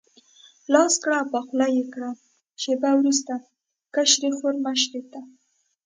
لاس کړ او په خوله یې کړ، شېبه وروسته کشرې خور مشرې ته.